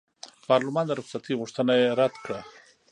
پارلمان د رخصتۍ غوښتنه یې رد کړه.